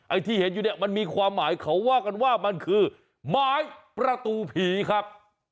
ที่เห็นอยู่เนี่ยมันมีความหมายเขาว่ากันว่ามันคือไม้ประตูผีครับ